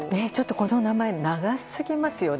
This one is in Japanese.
この名前長すぎますよね。